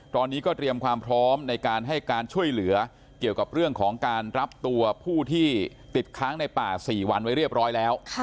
ตอนนี้ก็เตรียมความพร้อมในการให้การช่วยเหลือเกี่ยวกับเรื่องของการรับตัวผู้ที่ติดค้างในป่า๔วันไว้เรียบร้อยแล้ว